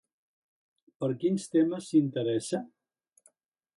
Per quins temes s'interessa?